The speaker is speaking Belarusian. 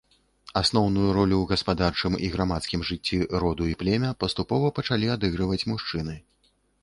Асноўную ролю ў гаспадарчым і грамадскім жыцці роду і племя паступова пачалі адыгрываць мужчыны.